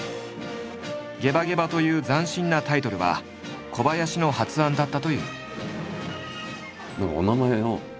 「ゲバゲバ」という斬新なタイトルは小林の発案だったという。